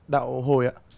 đạo hồi ạ